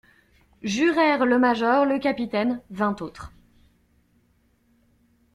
Jurèrent le major, le capitaine, vingt autres.